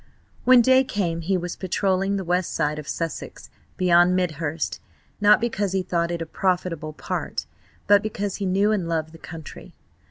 When day came he was patrolling the west side of Sussex, beyond Midhurst, not because he thought it a profitable part, but because he knew and loved the country.